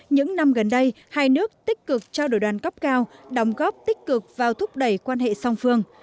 những năm gần đây hai nước tích cực trao đổi đoàn cấp cao đóng góp tích cực vào thúc đẩy quan hệ song phương